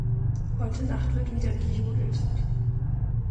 Heute Nacht wird wieder gejodelt.